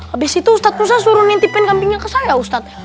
abis itu ustadz musa suruh ngintipin kambingnya ke saya ustadz